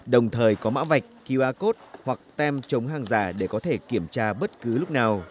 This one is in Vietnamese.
đồng thời có mã vạch qr code hoặc tem chống hàng giả để có thể kiểm tra bất cứ lúc nào